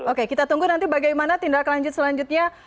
oke kita tunggu nanti bagaimana tindaklanjut selanjutnya